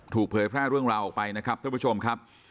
เผยแพร่เรื่องราวออกไปนะครับท่านผู้ชมครับ